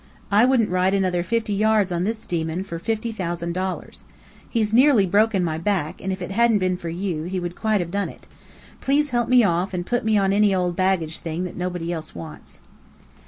I wouldn't ride another fifty yards on this demon for fifty thousand dollars. He's nearly broken my back, and if it hadn't been for you, he would quite have done it. Please help me off, and put me on any old baggage thing that nobody else wants."